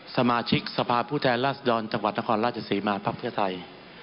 สมาชิกสภาพผู้แทนราชดรจังหวัดนครราชศรีมาภักดิ์เพื่อไทย